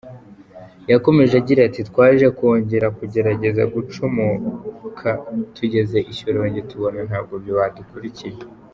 Yakomeje agira ati “Twaje kongera kugerageza gucomoka tugeze i Shyorongi tubona ntabwo badukurikiye.